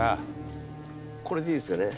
これでいいですよね？